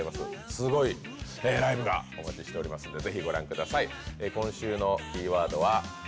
すごいライブがお待ちしておりますのでぜひご覧ください。